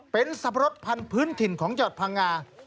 เป็นสับปะรดภัณฑ์พื้นถิ่นของเจ้าจัดพังงา